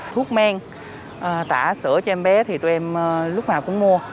thuốc men tả sữa cho em bé thì tụi em lúc nào cũng mua